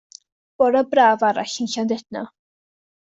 Bore braf arall yn Llandudno.